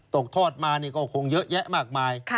ตกทอดมาก็คงเยอะแยะมากมาย